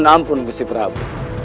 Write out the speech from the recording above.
mohon ampun gusti prabu